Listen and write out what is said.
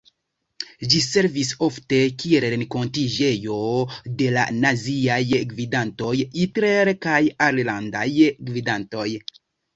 Ĝi servis ofte kiel renkontiĝejo de la naziaj gvidantoj, Hitler kaj alilandaj gvidantoj.